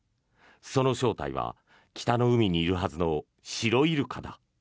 その正体は北の湖にいるはずのシロイルカだ。